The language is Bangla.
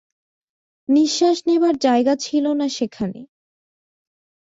নিঃশ্বাস নেবার জায়গা ছিল না সেখানে।